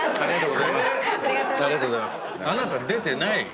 あなた出てないでしょ。